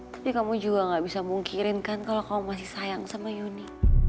tapi kamu juga gak bisa mungkirin kan kalau kamu masih sayang sama yuni